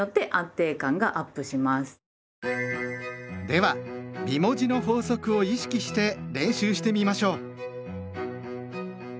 では美文字の法則を意識して練習してみましょう！